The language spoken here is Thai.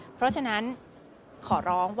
แต่เสียหายไปถึงบุคคลที่ไม่เกี่ยวข้องด้วย